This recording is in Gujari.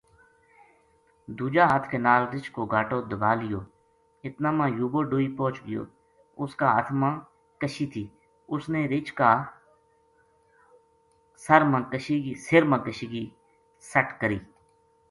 دوجا ہتھ کے نال رچھ کو گاٹو دُبا لیو اتنا ما یوبو ڈوئی پوہچ گیو اُس کا ہتھ ما کشی تھی اس نے رچھ کا سر ما کشی کی سَٹ کری